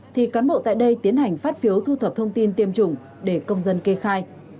thì cán bộ tại đây tiến hành phát phiếu thu thập thông tin tiêm chủng để công dân kê khai